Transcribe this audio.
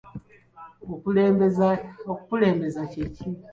Okuleebeza kye ki?